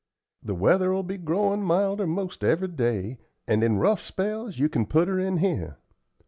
The weather'll be growin' milder 'most every day, and in rough spells you can put her in here.